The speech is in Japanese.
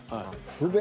不便。